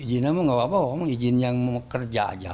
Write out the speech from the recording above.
ijinnya tidak apa apa izin yang bekerja saja